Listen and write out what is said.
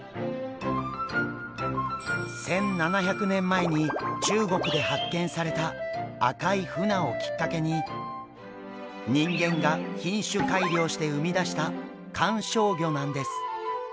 １７００年前に中国で発見された赤いフナをきっかけに人間が品種改良して生み出した観賞魚なんです。